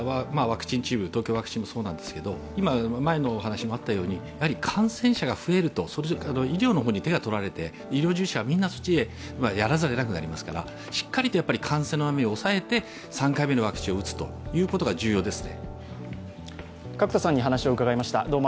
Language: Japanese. ＴＯＫＹＯワクションもそうですが、今、感染者が増えると医療の方に手が取られて医療従事者はみんなそっちへ、やらざるをえなくなりますからしっかりと感染の波を抑えて、３回目のワクチンを打つことが重要ですね。